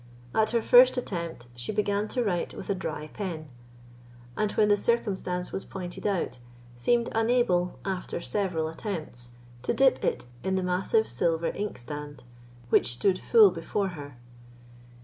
At her first attempt, she began to write with a dry pen, and when the circumstance was pointed out, seemed unable, after several attempts, to dip it in the massive silver ink standish, which stood full before her.